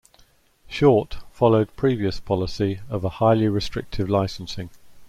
Shortt followed previous policy of a highly restrictive licensing.